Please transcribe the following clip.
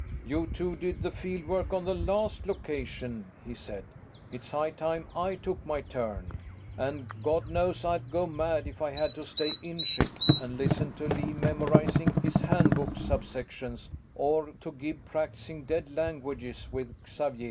"You two did the field work on the last location," he said. "It's high time I took my turn and God knows I'd go mad if I had to stay inship and listen to Lee memorizing his Handbook subsections or to Gib practicing dead languages with Xavier."